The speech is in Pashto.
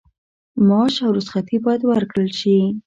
معاش او رخصتي باید ورکړل شي.